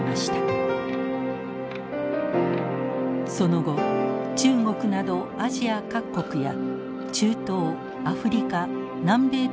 その後中国などアジア各国や中東アフリカ南米とも関係を強化。